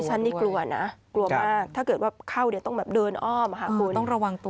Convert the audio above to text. ฉันนี่กลัวนะกลัวมากถ้าเกิดว่าเข้าเนี่ยต้องแบบเดินอ้อมค่ะคุณต้องระวังตัว